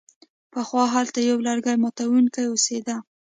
پخوا هلته یو لرګي ماتوونکی اوسیده.